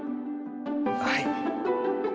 はい。